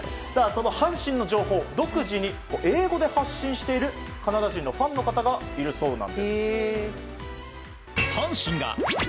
その阪神の情報を独自に英語で発信しているカナダ人のファンの方がいるそうなんです。